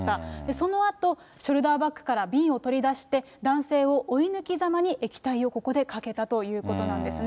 そのあと、ショルダーバッグから瓶を取り出して、男性を追い抜きざまに液体をここでかけたということなんですね。